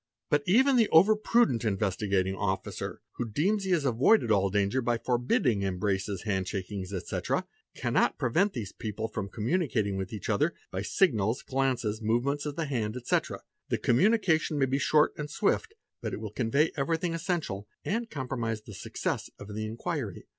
But even the over prudent Investigating Officer who deems he has — avoided all danger by forbidding, '"'embraces, handshakings,'' etc., — cannot prevent these people from communicating with each other by | signals, glances, movements of the hands, etc.; the communication may be short and swift, but will convey everything essential and compromise ~ the success of the inquiry.